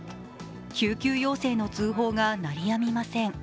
救急要請の通報が鳴りやみません。